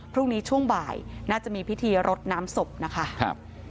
พรุ่งนี้ช่วงบ่ายน่าจะมีพิธีรดน้ำศพนะคะครับ